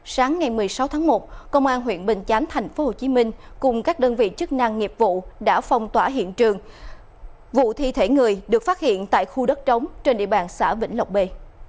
sáng ngày một mươi sáu tháng một công an huyện bình chánh thành phố hồ chí minh cùng các đơn vị chức năng nghiệp vụ đã phong tỏa hiện trường vụ thi thể người được phát hiện tại khu đất trống trên địa bàn xã vĩnh lộc bê